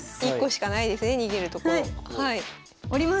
下ります。